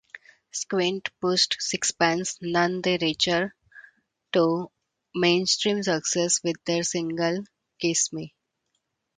Squint pushed Sixpence None the Richer to mainstream success with their single "Kiss Me".